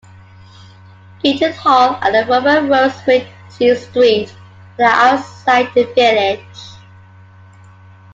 Eaton Hall and the Roman road Watling Street are outside the village.